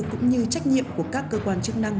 cũng như trách nhiệm của các cơ quan chức năng